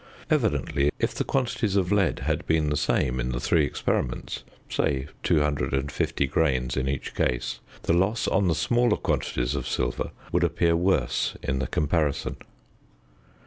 Evidently, if the quantities of lead had been the same in the three experiments (say, 250 grains in each case), the loss on the smaller quantities of silver would appear worse in the comparison.